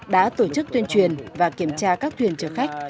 đã tổ chức tuyên truyền và kiểm tra các thuyền chở khách